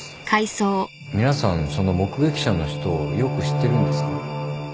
皆さんその目撃者の人をよく知ってるんですか？